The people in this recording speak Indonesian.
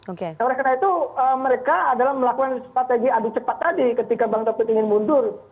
oleh karena itu mereka adalah melakukan strategi adu cepat tadi ketika bang taufik ingin mundur